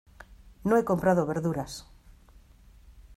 No he comprado verduras.